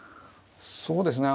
そうですね